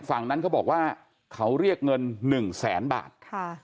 ฝั่งนั้นเขาบอกว่าเขาเรียกเงิน๑แสนบาท